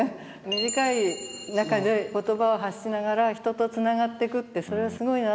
短い中で言葉を発しながら人とつながっていくってそれはすごいなと思って。